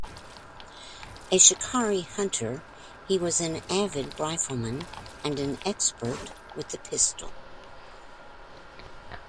A shikari hunter, he was an avid rifleman and an expert with the pistol.